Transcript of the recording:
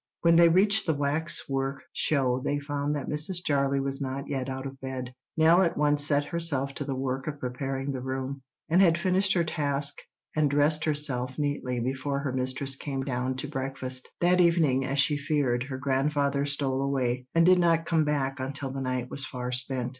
When they reached the wax work show they found that Mrs. Jarley was not yet out of bed. Nell at once set herself to the work of preparing the room, and had finished her task and dressed herself neatly before her mistress came down to breakfast. That evening, as she feared, her grandfather stole away, and did not come back until the night was far spent.